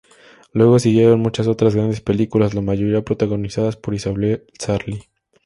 Luego siguieron muchas otras grandes películas, la mayoría protagonizadas por Isabel Sarli.